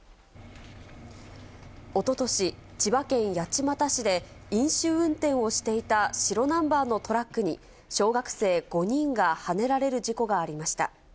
おととし、千葉県八街市で、飲酒運転をしていた白ナンバーのトラックに、小学生５人がはねられる事故がありました。